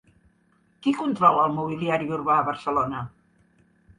Qui controla el mobiliari urbà a Barcelona?